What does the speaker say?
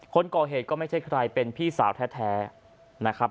คนก่อเหตุก็ไม่ใช่ใครเป็นพี่สาวแท้นะครับ